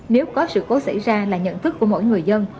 nếu có sự cố xảy ra là nhận thức của mỗi người dân